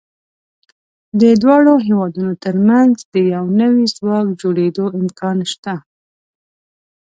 د دواړو هېوادونو تر منځ د یو نوي ځواک جوړېدو امکان شته.